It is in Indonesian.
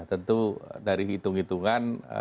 tentu dari hitung hitungan